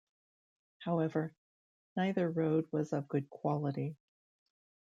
However, neither road was of good quality.